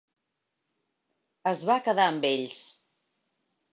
Es va quedar amb ells.